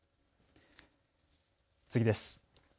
次です。